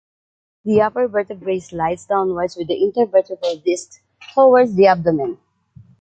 The upper vertebrae slide downwards with the intervertebral disks towards the abdomen.